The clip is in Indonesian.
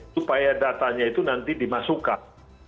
supaya datanya itu nanti dimasukkan